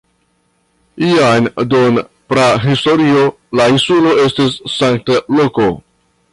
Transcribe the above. Jam dum prahistorio la insulo estis sankta loko.